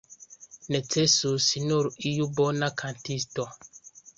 Necesus nur iu bona kantisto.